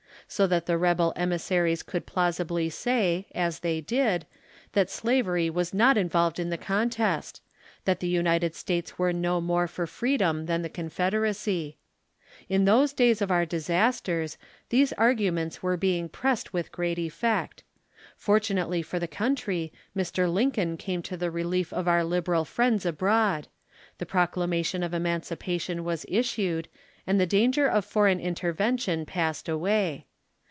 So that the rebel emissa ries could plausibly say, as they did, that slavery was not involved in the contest, that the United States were no more for freedom than the Confederacy. lii those daj'S of our disasters, these arguments were being pressed with great effect. Fortunately for the country', ^Mr. Lincoln came to the'relief of our liberal friends abroad; the i>i oc lamation of emancipation was issued, and the danger of foreign intervention passed away.